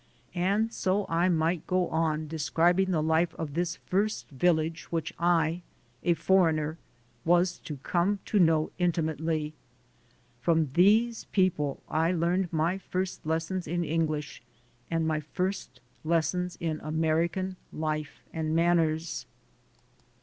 And so I might go on describing the life of this first 106 THE SOUL OF AN IMMIGRANT village which I, a foreigner, was to come to know intimately. From these people I learned my first lessons in English and my first lessons in American life and manners.